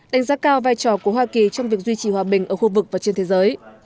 đánh giá cao vai trò của hoa kỳ trong việc duy trì hòa bình ở khu vực và trên thế giới